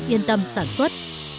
yên tâm sản xuất